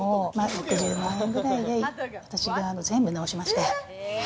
６０万円くらいで私が全部直しまして。